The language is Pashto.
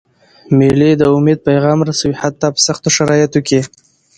مېلې د امید پیغام رسوي، حتی په سختو شرایطو کي.